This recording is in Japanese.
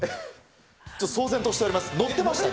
騒然としております。